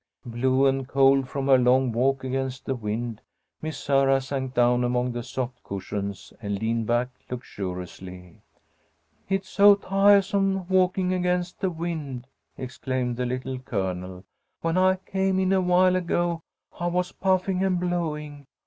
Blue and cold from her long walk against the wind, Miss Sarah sank down among the soft cushions and leaned back luxuriously. "It's so ti'ahsome walking against the wind," exclaimed the Little Colonel. "When I came in awhile ago, I was puffing and blowing.